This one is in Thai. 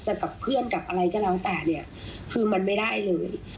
กับเพื่อนกับอะไรก็แล้วแต่เนี่ยคือมันไม่ได้เลย